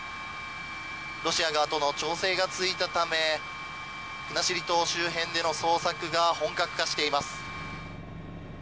ロシア側との調整がついたため国後島周辺での捜索が本格化しています。